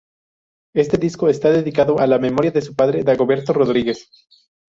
Este disco está dedicado a la memoria de su padre Dagoberto Rodríguez.